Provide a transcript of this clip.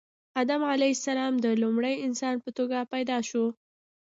آدم علیه السلام د لومړي انسان په توګه پیدا شو